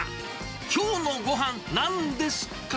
きょうのご飯、なんですか？